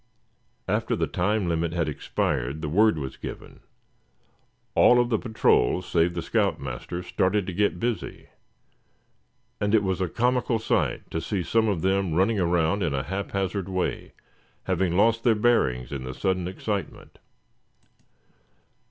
After the time limit had expired the word was given. All of the patrol save the scout master started to get busy; and it was a comical sight to see some of them running around in a haphazard way, having lost their bearings in the sudden excitement.